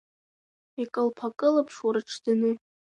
Икылԥа-кылԥшуа, рыҽӡаны…